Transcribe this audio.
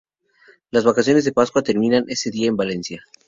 Las vacaciones de Pascua terminan ese día en Valencia